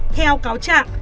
theo cáo trạng